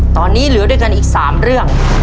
ตอนนี้เหลือด้วยกันอีก๓เรื่อง